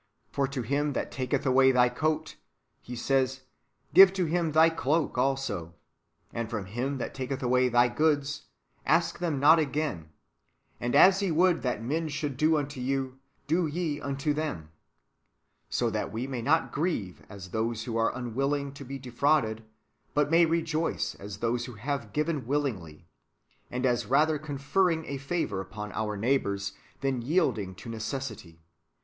For " to him that taketh away thy coat," He says, " give to him thy cloak also ; and from him that taketh away thy goods, ask them not again ; and as ye would that men should do unto you, do ye unto tliem:"^ so that we may not grieve as those wdio are unwilling to be defrauded, but may rejoice as those who have given willingly, and as rather conferring a favour upon our neighbours than yielding to necessity.